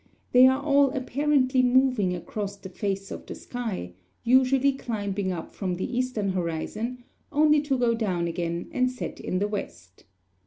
They are all apparently moving across the face of the sky, usually climbing up from the eastern horizon, only to go down again and set in the west.